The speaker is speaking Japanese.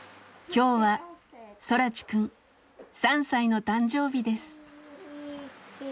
今日は空知くん３歳の誕生日です。